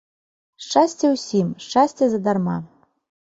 Шчасце ўсім, шчасце задарма.